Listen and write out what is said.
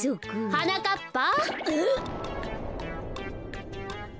はなかっぱ。